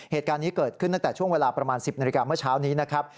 เหตุการณ์นี้เกิดขึ้นตั้งแต่ช่วงเวลาประมาณ๑๐นาฬิกาเมื่อเช้านี้นะครับ